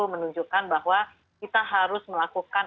menunjukkan bahwa kita harus melakukan